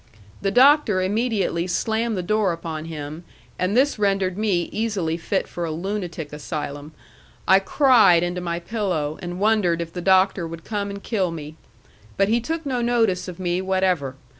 The Doctor immediately slammed the door upon him, and this rendered me easily fit for a lunatic asylum. I cried into my pillow, and wondered if the Doctor would come and kill me. But he took no notice of me whatever.